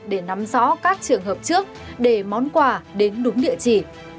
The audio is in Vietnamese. để nắm rõ các trường hợp trước để món quà đến đúng địa chỉ